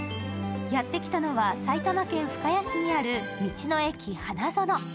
やってきたのは埼玉県深谷市にある道の駅はなぞの。